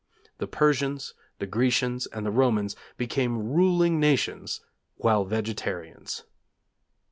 The Persians, the Grecians, and the Romans, became ruling nations while vegetarians."